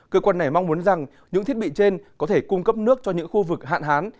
cơ quan này mong muốn rằng những thiết bị trên có thể cung cấp nước cho những khu vực hạn hán